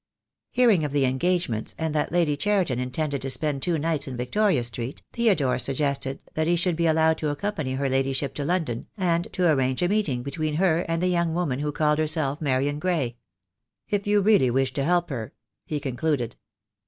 Hearing of the engagements, and that Lady Cheriton intended to spend two nights in Victoria Street, Theodore suggested that he should be allowed to accompany her ladyship to London and to arrange a meeting between her and the young woman who called herself Marian Gray. "If you really wish to help her," he concluded.